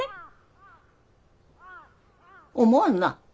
思わんな。